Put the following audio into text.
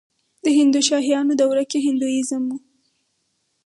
د هندوشاهیانو دوره کې هندویزم و